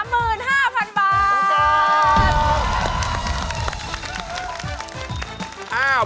ขอบคุณครับ